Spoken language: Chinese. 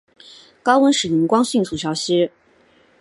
高温时荧光迅速消失。